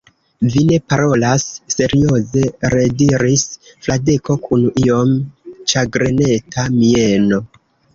Vi ne parolas serioze, rediris Fradeko kun iom ĉagreneta mieno.